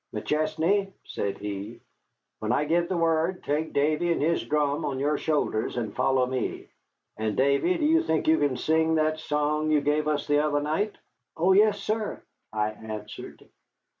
"McChesney," said he, "when I give the word, take Davy and his drum on your shoulders and follow me. And Davy, do you think you can sing that song you gave us the other night?" "Oh, yes, sir," I answered.